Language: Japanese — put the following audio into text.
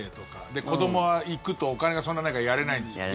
で、子どもは行くとお金がそんなないからやれないんですよ。